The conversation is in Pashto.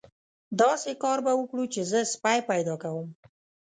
داسې کار به وکړو چې زه سپی پیدا کوم.